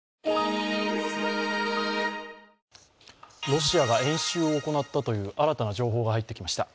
ロシアが演習を行ったという新たな情報が入ってきました。